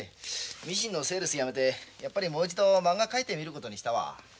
ミシンのセールスやめてやっぱりもう一度まんが描いてみることにしたわ。